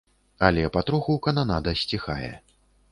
Але патроху кананада сціхае.